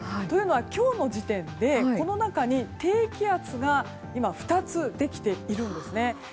というのは今日の時点でこの中に低気圧が、今２つできているんですね。